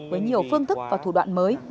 với nhiều phương thức và thủ đoạn mới